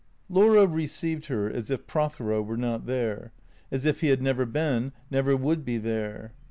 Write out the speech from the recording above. LAUEA received her as if Protliero were not there ; as if he never had been, never would be there.